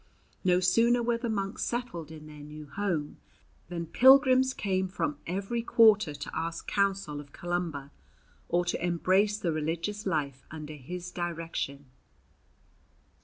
No sooner were the monks settled in their new home, than pilgrims came from every quarter to ask counsel of Columba or to embrace the religious life under his direction.